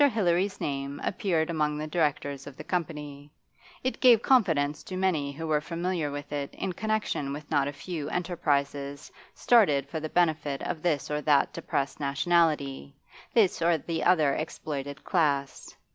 Hilary's name appeared among the directors of the company; it gave confidence to many who were familiar with it in connection with not a few enterprises started for the benefit of this or that depressed nationality, this or the other exploited class.